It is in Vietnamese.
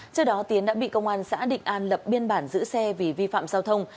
trước đó tiến đã bị công an xã định an lập biên bản giữ xe vì vi phạm giao thông